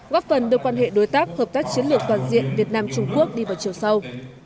góp phần đưa quan hệ đối tác hợp tác chiến lược toàn diện việt nam trung quốc đi vào chiều sâu